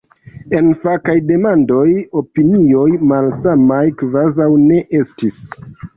En fakaj demandoj opinioj malsamaj kvazaŭ ne estis.